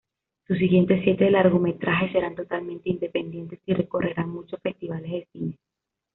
Sus siguientes siete largometrajes serán totalmente independientes y recorrerán muchos festivales de cine.